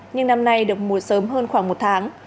nhưng năm nay được mùa sớm hơn khoảng một tháng